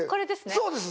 そうです。